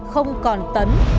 không còn tấn